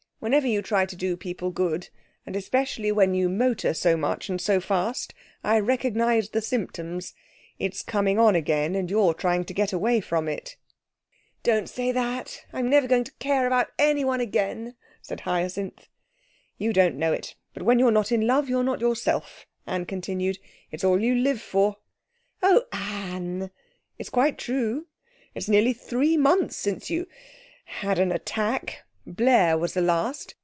Whenever you try to do people good, and especially when you motor so much and so fast, I recognise the symptoms. It's coming on again, and you're trying to get away from it.' 'Don't say that. I'm never going to care about anyone again,' said Hyacinth. 'You don't know it, but when you're not in love you're not yourself,' Anne continued. 'It's all you live for.' 'Oh, Anne!' 'It's quite true. It's nearly three months since you had an attack. Blair was the last.